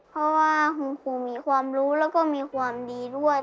เพราะว่าคุณครูมีความรู้แล้วก็มีความดีด้วย